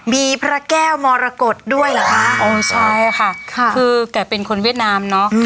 มีพระแก้วมรกฏด้วยเหรอคะอ๋อใช่ค่ะคือแกเป็นคนเวียดนามเนอะ